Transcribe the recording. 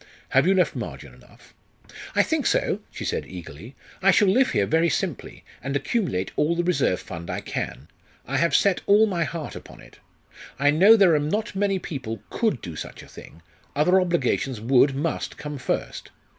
Have you left margin enough?" "I think so," she said eagerly. "I shall live here very simply, and accumulate all the reserve fund I can. I have set all my heart upon it. I know there are not many people could do such a thing other obligations would, must, come first.